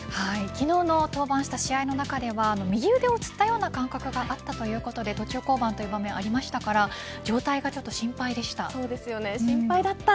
昨日の登板した試合の中では右腕をつったような感覚があったということで途中降板という場面ありましたから状態がちょっと心配でした。